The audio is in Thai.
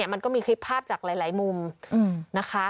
มันก็มีคลิปภาพจากหลายมุมนะคะ